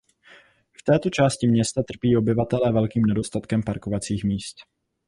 V této části města trpí obyvatelé velkým nedostatkem parkovacích míst.